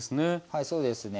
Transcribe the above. はいそうですね。